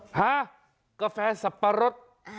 ฮะกาแฟสับปะรด